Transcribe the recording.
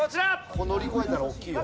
ここ乗り越えたら大きいよ。